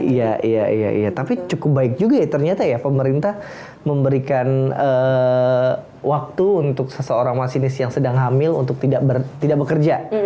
iya iya tapi cukup baik juga ya ternyata ya pemerintah memberikan waktu untuk seseorang masinis yang sedang hamil untuk tidak bekerja